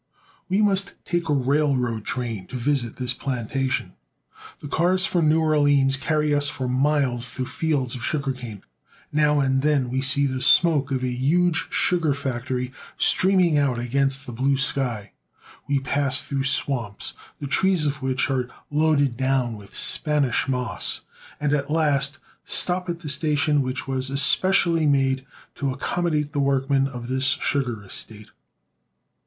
We must take a railroad train to visit this plantation. The cars from New Orleans carry us for miles through fields of sugar cane. Now and then we see the smoke of a huge sugar factory streaming out against the blue sky. We pass through swamps, the trees of which are loaded down with Spanish moss, and at last stop at the station which was especially made to accommodate the workmen of this sugar estate.